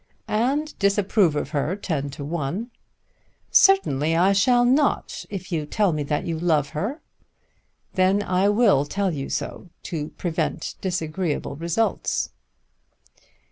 "And disapprove of her, ten to one." "Certainly I shall not if you tell me that you love her." "Then I will tell you so, to prevent disagreeable results."